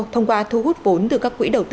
thông qua thu hút vốn từ các quỹ đầu tư